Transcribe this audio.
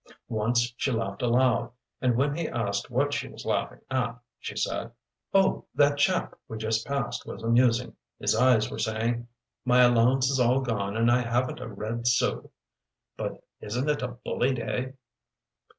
Once she laughed aloud, and when he asked what she was laughing at, she said, "Oh, that chap we just passed was amusing. His eyes were saying 'My allowance is all gone and I haven't a red sou but isn't it a bully day?'"